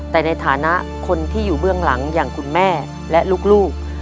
แต่ในฐานะคนที่อยู่เบื้องหลังอย่างคุณแม่และลูก